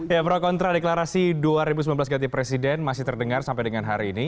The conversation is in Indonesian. ya pro kontra deklarasi dua ribu sembilan belas ganti presiden masih terdengar sampai dengan hari ini